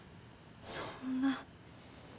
そんな。